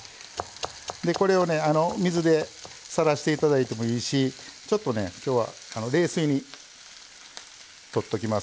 これを水でさらしていただいてもいいしちょっとね、きょうは冷水にとっときます。